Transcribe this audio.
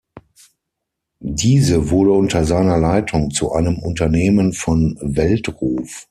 Diese wurde unter seiner Leitung zu einem Unternehmen von Weltruf.